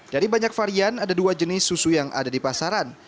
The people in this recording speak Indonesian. dari banyak varian ada dua jenis susu yang ada di pasaran